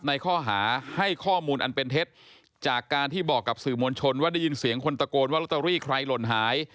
ในข้อหาให้ข้อมูลอันเป็นเท็จจากการที่บอกกับสื่อมวลชนว่าได้ยินเสียงคนตะโกนว่าลอตเตอรี่ใครหล่นหาย